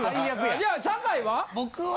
じゃあ坂井は？